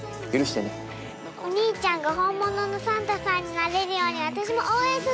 お兄ちゃんが本物のサンタさんになれるように私も応援する。